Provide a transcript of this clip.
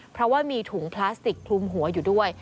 เพราะว่ามีถุงพลาสติกคลุมหัวอยู่ด้วย